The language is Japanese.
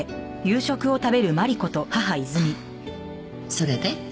それで？